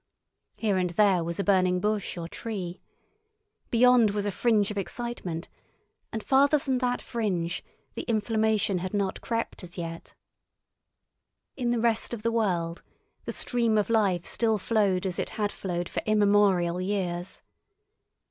Here and there was a burning bush or tree. Beyond was a fringe of excitement, and farther than that fringe the inflammation had not crept as yet. In the rest of the world the stream of life still flowed as it had flowed for immemorial years.